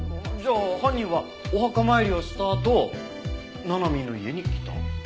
じゃあ犯人はお墓参りをしたあとななみーの家に来た？